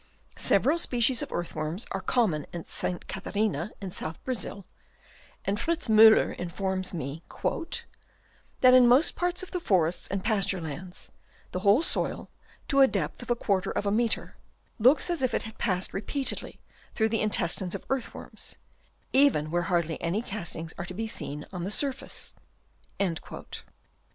Several species of earth worms are common in St. Catharina in South Brazil, and Fritz Mtiller informs me " that in most parts of " the forests and pasture lands, the whole soil, " to a depth of a quarter of a metre, looks as if it " had passed repeatedly through the intestines " of earth worms, even where hardly any cast " ings are to be seen on the surface."